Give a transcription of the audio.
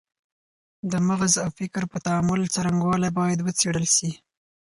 د مغز او فکر د تعامل څرنګوالی باید وڅېړل سي.